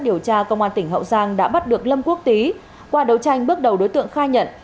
cơ quan cảnh sát điều tra công an tỉnh hậu giang đã bắt được lâm quốc tí qua đấu tranh bước đầu đối tượng khai nhận